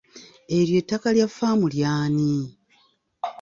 Eryo ettaka lya faamu ly'ani?